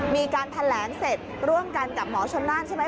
มีการแถลงเสร็จร่วมกันกับหมอชนน่านใช่ไหม